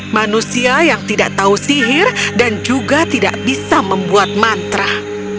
manusia yang tidak tahu sihir dan juga tidak bisa membuat mantra